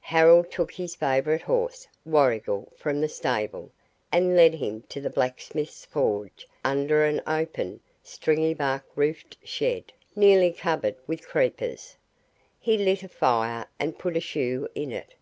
Harold took his favourite horse, Warrigal, from the stable, and led him to the blacksmith's forge under an open, stringybark roofed shed, nearly covered with creepers. He lit a fire and put a shoe in it.